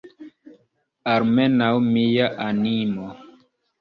Almenaŭ mia animo!